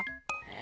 え？